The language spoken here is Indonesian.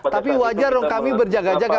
tapi wajar dong kami berjaga jaga